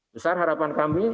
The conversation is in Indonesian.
besar harapan kami